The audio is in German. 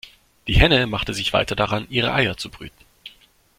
Die Henne machte sich weiter daran, ihre Eier zu brüten.